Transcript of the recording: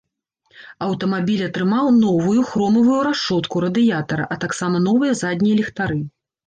Аўтамабіль атрымаў новую, хромавую рашотку радыятара, а таксама новыя заднія ліхтары.